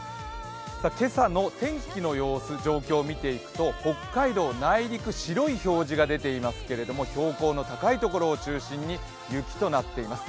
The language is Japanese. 今朝の天気の様子、状況を見ていくと北海道内陸、白いところが出ていますが標高の高いところを中心に雪となっています。